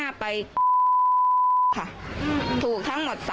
ความปลอดภัยของนายอภิรักษ์และครอบครัวด้วยซ้ำ